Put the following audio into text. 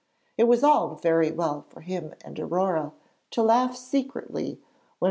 It was all very well for him and Aurore to laugh secretly when M.